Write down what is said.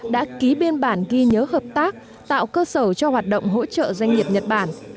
đã ký biên bản ghi nhớ hợp tác tạo cơ sở cho hoạt động hỗ trợ doanh nghiệp nhật bản